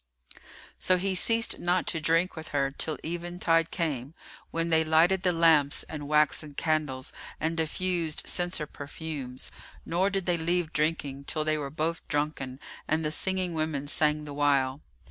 So he ceased not to drink with her till eventide came, when they lighted the lamps and waxen candles and diffused censer perfumes; nor did they leave drinking, till they were both drunken, and the singing women sang the while.